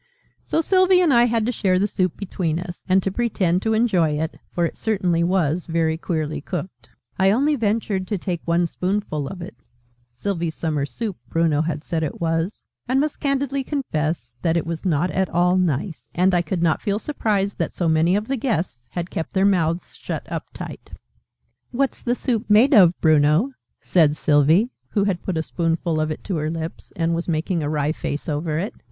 So Sylvie and I had to share the soup between us, and to pretend to enjoy it, for it certainly was very queerly cooked. I only ventured to take one spoonful of it ("Sylvie's Summer Soup," Bruno said it was), and must candidly confess that it was not at all nice; and I could not feel surprised that so many of the guests had kept their mouths shut up tight. "What's the soup made of, Bruno?" said Sylvie, who had put a spoonful of it to her lips, and was making a wry face over it.